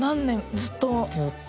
ずうっと。